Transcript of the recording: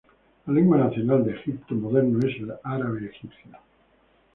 La lengua nacional del Egipto moderno es el árabe egipcio.